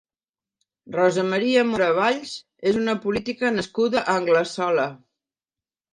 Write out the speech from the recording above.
Rosa Maria Mora Valls és una política nascuda a Anglesola.